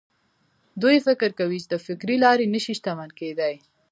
دوی فکر کوي چې د فکري لارې نه شي شتمن کېدای.